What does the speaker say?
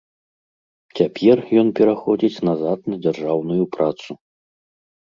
Цяпер ён пераходзіць назад на дзяржаўную працу.